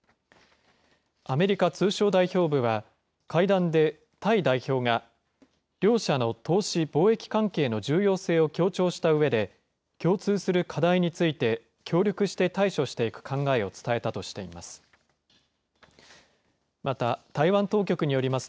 アメリカ通商代表部は、会談でタイ代表が両者の投資、貿易関係の重要性を強調したうえで、共通する課題について協力して対処していく考えを伝えたとしています。